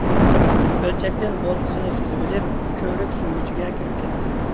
كۆلچەكتىن بولقىسىنى سۈزۈۋېلىپ، كۆۋرۈك سۈڭگۈچىگە كىرىپ كەتتى.